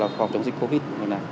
phòng chống dịch covid